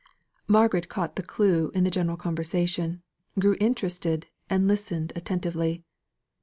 Margaret caught the clue to the general conversation, grew interested and listened attentively.